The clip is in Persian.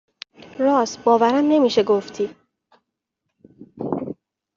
راس ، باورم نمیشه گفتی